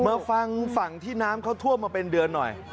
มาฟังฝั่งที่น้ำเขาท่วมมาเป็นเดือนหน่อย